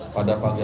pada pagi hari ini